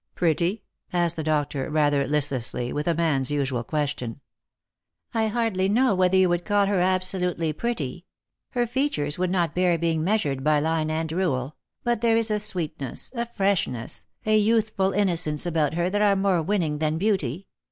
"Pretty?" asked the doctor rather listlessly, with a man's usual question. " I hardly know whether you would call her absolutely pretty. Her features would not bear being measured by line and rule ; but there is a sweetness, a freshness, a youthful innocence about her that are more winning than beauty.